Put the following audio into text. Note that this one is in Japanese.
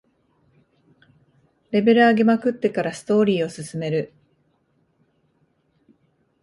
レベル上げまくってからストーリーを進める